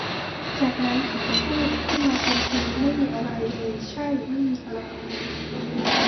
จากนั้น เขาก็พูด ขึ้นมาทันที ไม่มีอะไรเลย ใช่ ! ! ไม่มีอะไรเลย